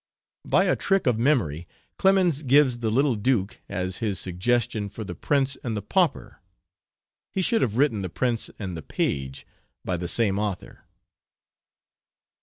By a trick of memory Clemens gives The Little Duke as his suggestion for The Prince and the Pauper; he should have written The Prince and the Page, by the same author.